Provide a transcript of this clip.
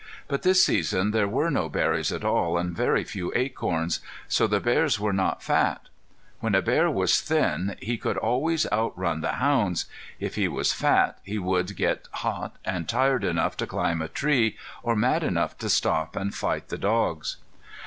But this season there were no berries at all, and very few acorns. So the bears were not fat. When a bear was thin he could always outrun the hounds; if he was fat he would get hot and tired enough to climb a tree or mad enough to stop and fight the dogs.